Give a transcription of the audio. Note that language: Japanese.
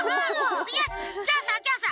イエス！じゃあさじゃあさ